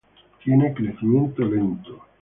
Tiene crecimiento lento.